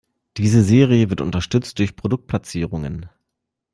Diese Serie wird unterstützt durch Produktplatzierungen.